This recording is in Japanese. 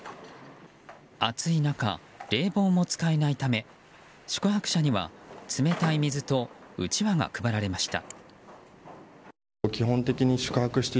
暑い中、冷房も使えないため宿泊者には冷たい水とうちわが配られました。